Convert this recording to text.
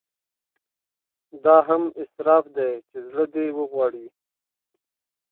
دا هم اسراف دی چې زړه دې غواړي.